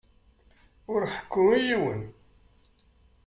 Ur ḥekku i yiwen.